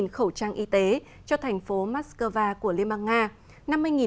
một mươi khẩu trang y tế cho thành phố moscow của liên bang nga